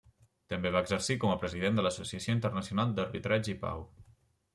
També va exercir com a president de l'Associació Internacional d'Arbitratge i Pau.